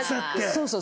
そうそう。